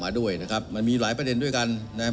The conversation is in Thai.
ด้วยนะครับมันมีหลายประเด็นด้วยกันนะครับ